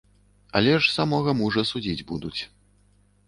Але ж самога мужа судзіць будуць.